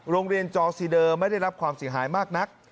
โรงเรียนจอซีเดอร์ไม่ได้รับความเสียหายมากนัก